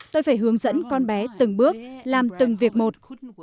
tôi phải hướng dẫn con bé từng bước làm từng việc một